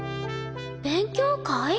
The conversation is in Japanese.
勉強会？